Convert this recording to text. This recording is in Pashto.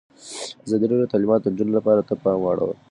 ازادي راډیو د تعلیمات د نجونو لپاره ته پام اړولی.